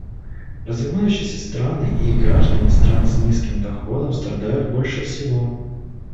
Развивающиеся страны и граждане стран с низким доходом страдают больше всего.